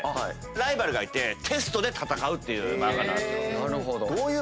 ライバルがいてテストで戦うっていう漫画なんですよ。